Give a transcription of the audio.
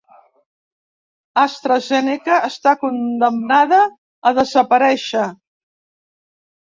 AstraZeneca està condemnada a desaparèixer.